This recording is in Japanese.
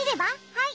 はい。